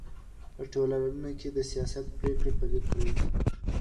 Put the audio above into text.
په ټولنه کي د سیاست پرېکړې پلي کړئ.